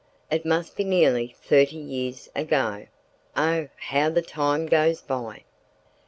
it must be nearly thirty years ago! Oh, how the time goes by!